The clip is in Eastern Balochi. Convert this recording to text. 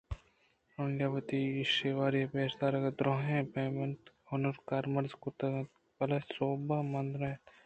آئی ءَ وتی شیّواری پیش دارگ ءِ دُرٛاہیں پینگ ءُہُنر کارمرز کُت اَنت بلئے سوب مند نہ بوت